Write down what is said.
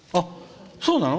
そうなの？